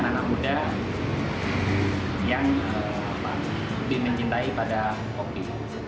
anak anak muda lebih banyak anak muda yang lebih mencintai pada kopi